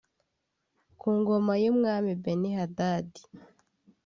Ku ngoma y’umwami Benihadadi